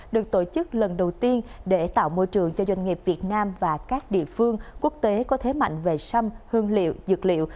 được tổ chức lần đầu tiên để tạo môi trường cho doanh nghiệp việt nam và các địa phương quốc tế có thế mạnh về sâm hương liệu dược liệu